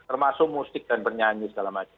termasuk musik dan bernyanyi segala macam